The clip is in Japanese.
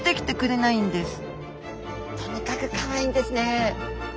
スタジオとにかくかわいいんですね！